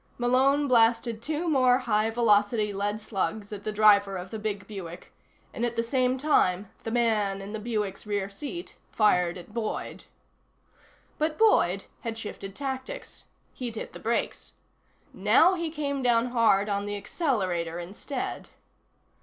Malone blasted two more high velocity lead slugs at the driver of the big Buick, and at the same time the man in the Buick's rear seat fired at Boyd. But Boyd had shifted tactics. He'd hit the brakes. Now he came down hard on the accelerator instead.